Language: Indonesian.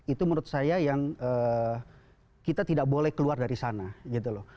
itu menurut saya yang kita tidak boleh keluar dari sana gitu loh